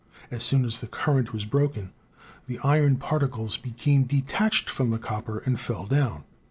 As soon as the current was broken the iron particles became detached from the copper and fell down.